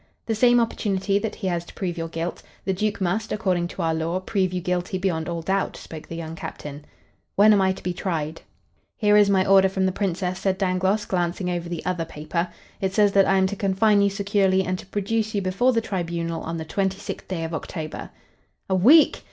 "The same opportunity that he has to prove your guilt. The Duke must, according to our law, prove you guilty beyond all doubt," spoke the young captain. "When am I to be tried?" "Here is my order from the Princess," said Dangloss, glancing over the other paper. "It says that I am to confine you securely and to produce you before the tribunal on the 26th day of October." "A week!